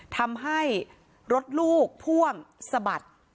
ทำให้รถลูกพ่วงสะบัด